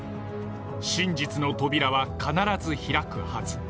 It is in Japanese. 真実の扉は必ず開くはず。